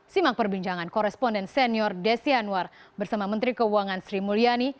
simak perbincangan koresponden senior desi anwar bersama menteri keuangan sri mulyani